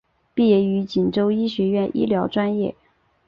毕业于锦州医学院医疗专业。